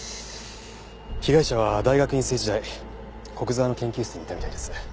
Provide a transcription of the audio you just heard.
被害者は大学院生時代古久沢の研究室にいたみたいです。